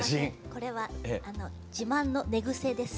これは自慢の寝ぐせです。